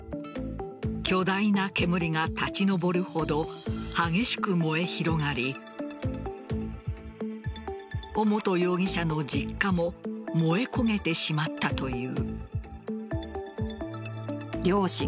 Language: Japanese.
巨大な煙が立ち上るほど激しく燃え広がり尾本容疑者の実家も燃え焦げてしまったという。